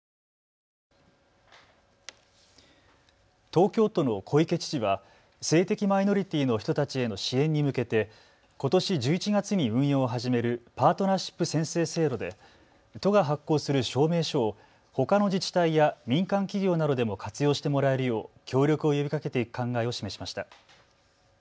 東京都の小池知事は性的マイノリティーの人たちへの支援に向けてことし１１月に運用を始めるパートナーシップ宣誓制度で都が発行する証明書をほかの自治体や民間企業などでも活用してもらえるよう協力を呼びかけていく考えを示しました。